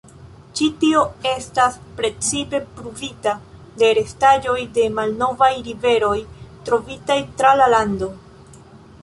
Ĉi tio estas precipe pruvita de restaĵoj de malnovaj riveroj trovitaj tra la lando.